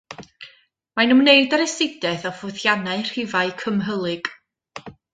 Mae'n ymwneud â'r astudiaeth o ffwythiannau rhifau cymhlyg.